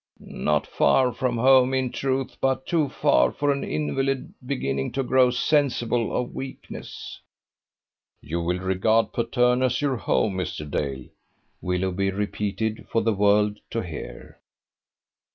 "Not far from home, in truth, but too far for an invalid beginning to grow sensible of weakness." "You will regard Patterne as your home, Mr. Dale," Willoughby repeated for the world to hear.